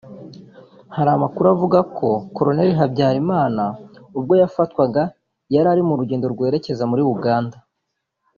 Hari amakuru avuga ko Col Habyarimana ubwo yafatwaga yari ari mu rugendo rwerekeza muri Uganda